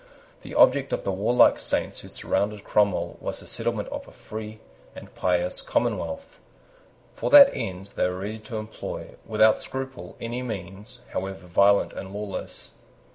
The object of the warlike saints who surrounded Cromwell was the settlement of a free and pious commonwealth. For that end they were ready to employ, without scruple, any means, however violent and lawless.